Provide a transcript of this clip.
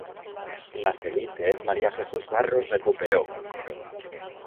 Nas elites, María Jesús Barros recuperou a coroa.